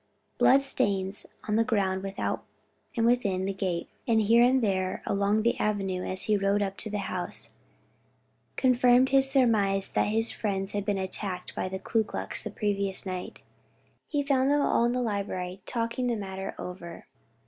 Blood stains on the ground without and within the gate, and here and there along the avenue as he rode up to the house, confirmed his surmise that his friends had been attacked by the Ku Klux the previous night. He found them all in the library talking the matter over.